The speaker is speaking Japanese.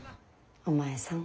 お前さん。